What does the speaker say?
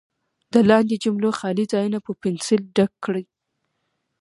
د لاندې جملو خالي ځایونه په پنسل ډک کړئ.